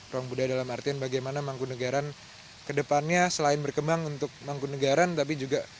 ruang budaya dalam artian bagaimana mangkunegara ke depannya selain berkembang untuk mangkunegara tapi juga